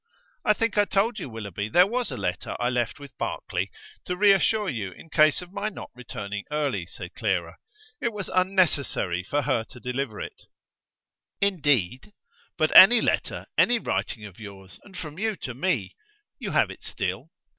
"I think I told you, Willoughby, there was a letter I left with Barclay to reassure you in case of my not returning early," said Clara. "It was unnecessary for her to deliver it." "Indeed? But any letter, any writing of yours, and from you to me! You have it still?"